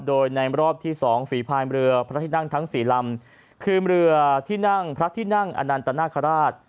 โดยในรอบที่๒ฝีภายเรือพระที่นั่งทั้ง๔ลำคือเรือที่นั่งพระที่นั่งอนันตนาคาราช